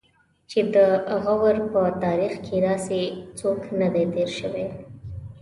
چې د غور په تاریخ کې داسې څوک نه دی تېر شوی.